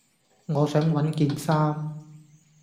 我想搵件衫